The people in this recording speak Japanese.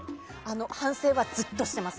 反省はずっとしてます。